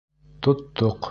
Тоттоҡ.